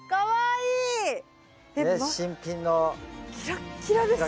キラッキラですよ。